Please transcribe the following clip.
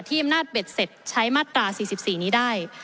อำนาจเบ็ดเสร็จใช้มาตรา๔๔นี้ได้